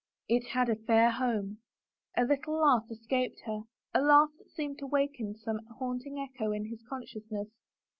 " It had a fair home." A little laugh escaped her — a laugh that seemed to waken some haunting echo in his consciousness.